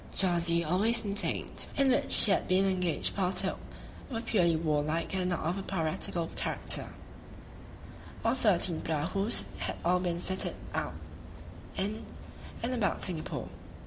(Jadee always maintained that the proceedings in which he had been engaged partook of a purely warlike, and not of a piratical character.) Our thirteen prahus had all been fitted out in and about Singapore.